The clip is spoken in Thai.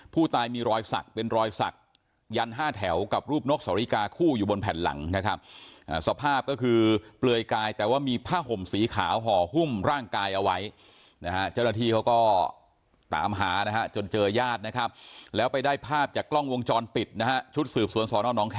ผู้ตายมีรอยศักดิ์เป็นรอยศักดิ์ยัน๕แถวกับรูปนกสาริกาคู่อยู่บนแผ่นหลัง